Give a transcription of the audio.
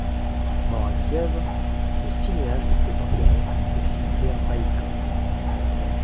Mort à Kiev, le cinéaste est enterré au cimetière Baïkove.